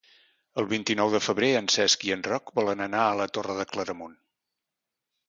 El vint-i-nou de febrer en Cesc i en Roc volen anar a la Torre de Claramunt.